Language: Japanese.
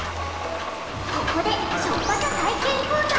ここで塩っぱさ体験コーナー！